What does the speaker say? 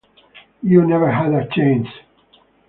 You never had a chance!